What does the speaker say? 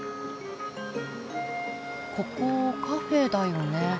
ここカフェだよね。